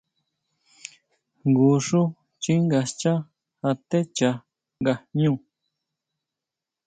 Jngu xú xchínga xchá atechá nga jñú.